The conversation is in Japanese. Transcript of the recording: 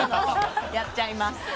やっちゃいます。